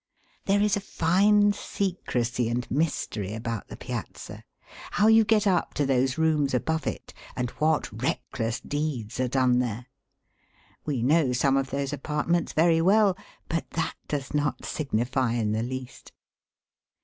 There is a fine secresy and mystery about the Piazza ;— how you get up to those rooms above it, and what reckless deeds are done there. (We know some of those apartments very well, but that does not signify in the least.)